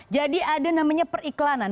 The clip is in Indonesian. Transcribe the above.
jadi ada namanya periklanan